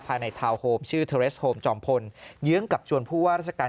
ภายในทาวน์โฮมชื่อเทอร์เรสโฮมจอมพลเยื้องกับชวนผู้ว่าราชการ